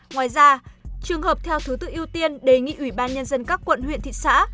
ngoài ra trường hợp theo thứ tự ưu tiên đề nghị ủy ban nhân dân các quận huyện thị xã